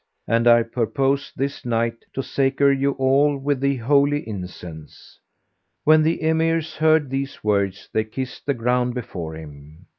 And I purpose this night to sacre you all with the Holy Incense." When the Emirs heard these words they kissed the ground before him.